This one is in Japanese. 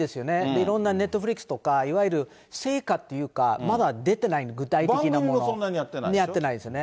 いろんなネットフリックスとか、いわゆる成果というか、まだ出て番組もそんなにやってないでやってないですよね。